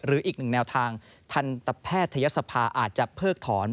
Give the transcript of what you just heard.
หรืออีกหนึ่งแนวทางทันตแพทยศภาอาจจะเพิกถอน